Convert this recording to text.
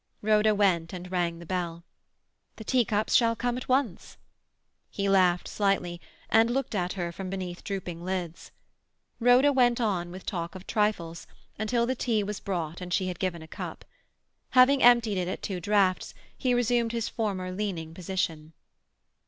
Rhoda went and rang the bell. "The teacups shall come at once." He laughed slightly, and looked at her from beneath drooping lids. Rhoda went on with talk of trifles, until the tea was brought and she had given a cup. Having emptied it at two draughts, he resumed his former leaning position.